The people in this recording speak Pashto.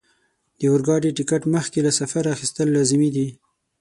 د اورګاډي ټکټ مخکې له سفره اخیستل لازمي دي.